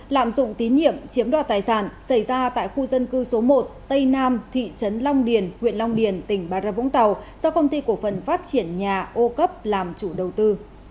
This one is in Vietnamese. lạm dụng tín nhiệm chiếm đoạt tài sản xảy ra tại khu dân cư số một tây nam thị trấn long điền huyện long điền tỉnh bà rơ vũng tàu do công ty cổ phần phát triển nhà ô cấp làm chủ đầu tư